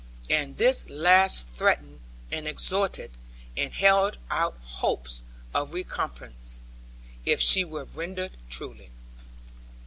And this last threatened and exhorted, and held out hopes of recompense, if she were rendered truly.